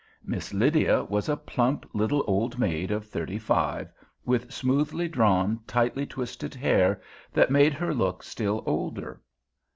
Miss Lydia was a plump, little old maid of thirty five, with smoothly drawn, tightly twisted hair that made her look still older.